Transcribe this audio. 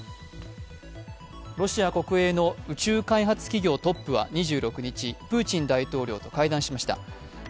ロシア国営の宇宙開発企業トップは２６日、プーチン大統領と会談しました。